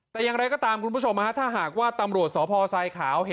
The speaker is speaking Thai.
แต่อย่างไรก็ตามคุณผู้ชมถ้าหากว่าตำรวจสพทรายขาว